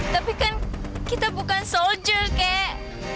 tapi kan kita bukan soldier kek